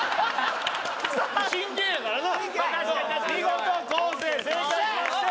見事昴生正解しましてよっしゃ！